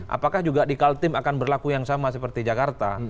apakah juga di kaltim akan berlaku yang sama seperti jakarta